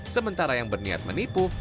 sementara yang berniat menipu